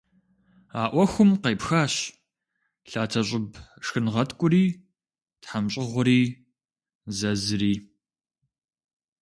А ӏуэхум къепхащ лъатэщӏыб шхынгъэткӏури, тхьэмщӏыгъури, зэзри.